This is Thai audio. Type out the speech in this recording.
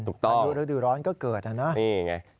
ถูกต้องถ้าอยู่ฤดูร้อนก็เกิดน่ะนะนี่ไง